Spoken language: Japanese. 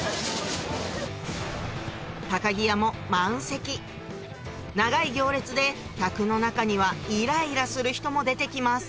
木屋も満席長い行列で客の中にはイライラする人も出て来ます